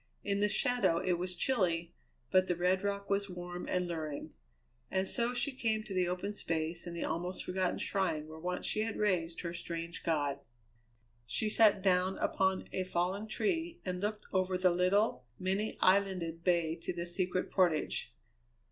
In the shadow it was chilly; but the red rock was warm and luring. And so she came to the open space and the almost forgotten shrine where once she had raised her Strange God. She sat down upon a fallen tree and looked over the little, many islanded bay to the Secret Portage.